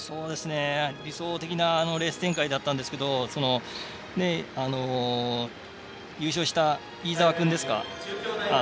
理想的なレース展開だったんですけど優勝した飯澤君ですか。